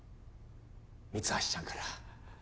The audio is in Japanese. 三橋ちゃんから。